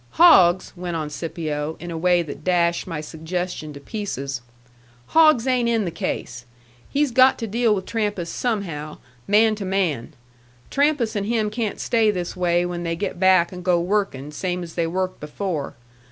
"Hogs!" went on Scipio, in a way that dashed my suggestion to pieces; "hogs ain't in the case. He's got to deal with Trampas somehow man to man. Trampas and him can't stay this way when they get back and go workin' same as they worked before.